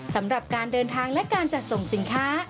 สำหรับการเดินทางและการจัดส่งสินค้า